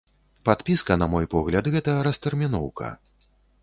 Падпіска, на мой погляд, гэта растэрміноўка.